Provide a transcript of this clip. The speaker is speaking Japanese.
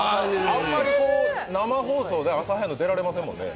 あんまり生放送で朝早いの、出られませんもんね。